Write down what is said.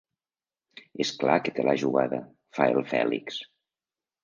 És clar que te l'ha jugada —fa el Fèlix.